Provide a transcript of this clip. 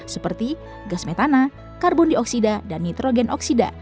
seperti gas metana karbon dioksida dan nitrogen oksida